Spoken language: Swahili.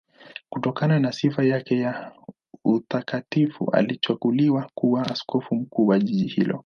Kutokana na sifa yake ya utakatifu alichaguliwa kuwa askofu mkuu wa jiji hilo.